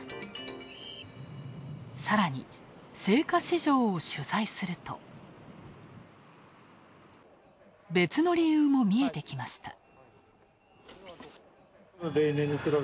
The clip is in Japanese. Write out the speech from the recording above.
さらに、青果市場を取材すると、別の理由も見えてきました。